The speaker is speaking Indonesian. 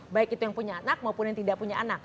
baik itu yang punya anak maupun yang tidak punya anak